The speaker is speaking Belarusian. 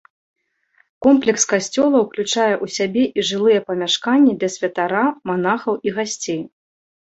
Комплекс касцёла ўключае ў сябе і жылыя памяшканні для святара, манахаў і гасцей.